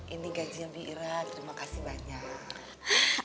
ini gajinya bi irah terima kasih banyak